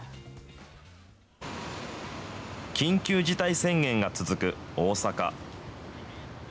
緊急事態宣言が続く、大阪。